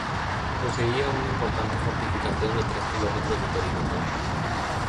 Poseía una importante fortificación de tres kilómetros de perímetro.